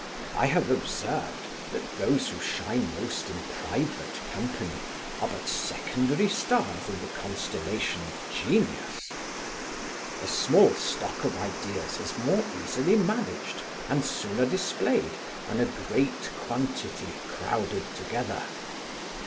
I have observed, that those who shine most in private company, are but secondary stars in the constellation of genius A small stock of ideas is more easily managed, and sooner displayed, than a great quantity crowded together.